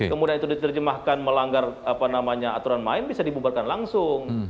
kemudian itu diterjemahkan melanggar apa namanya aturan main bisa dibubarkan langsung